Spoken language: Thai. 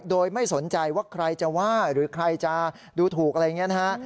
โดยไม่สนใจว่าใครจะว่าหรือใครจะดูถูกอะไรอย่างนี้นะฮะ